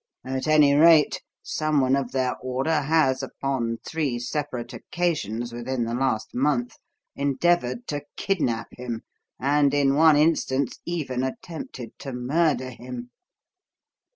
At any rate, someone of their order has, upon three separate occasions within the last month, endeavoured to kidnap him, and, in one instance, even attempted to murder him."